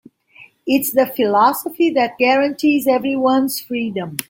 It's the philosophy that guarantees everyone's freedom.